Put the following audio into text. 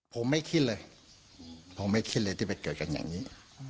ผมไม่คิดเลยผมไม่คิดเลยที่ไปเกิดกันอย่างนี้